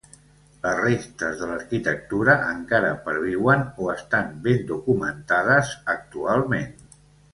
Les restes de l'arquitectura encara perviuen o estan ben documentades actualment.